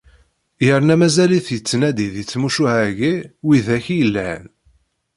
Yerna mazal-it ittnadi di tmucuha-agi widak i yelhan.